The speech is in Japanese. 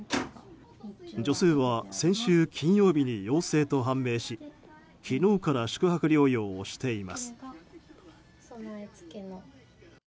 女性は、先週金曜日に陽性と判明し昨日から宿泊療養をしています。